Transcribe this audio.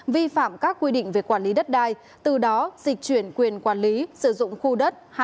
vi phạm các quy định về quản lý đất đai từ đó dịch chuyển quyền quản lý sử dụng khu đất